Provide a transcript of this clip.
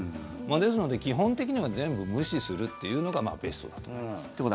ですので、基本的には全部無視するというのがベストだと思います。